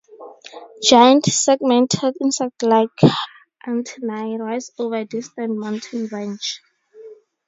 Giant, segmented, insect-like, antennae rise over a distant mountain range.